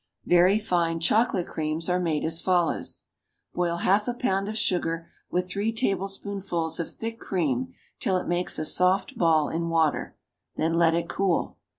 VERY FINE CHOCOLATE CREAMS are made as follows: Boil half a pound of sugar with three tablespoonfuls of thick cream till it makes a soft ball in water, then let it cool.